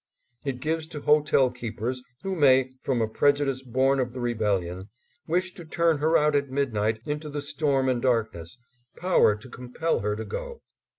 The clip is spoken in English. It gives to hotel keepers who may, from a prejudice born of the Rebellion, wish to turn her out at midnight into the storm and darkness, power to compel her to go.